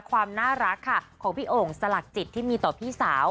ความน่ารักค่ะของพี่โอ่งสลักจิตที่มีต่อพี่สาว